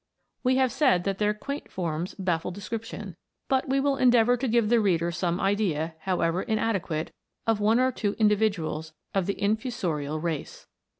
We have said that their quaint forms baffle description; but we will endeavour to give the reader some idea, however inadequate, of one or two individuals of the infu sorial race.